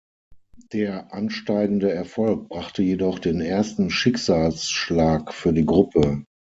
Der ansteigende Erfolg brachte jedoch den ersten Schicksalsschlag für die Gruppe.